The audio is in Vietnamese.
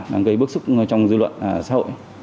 đang gây bước xúc trong dư luận xã hội